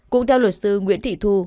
cũng theo luật sư nguyễn thị thu